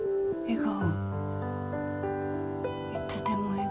笑顔。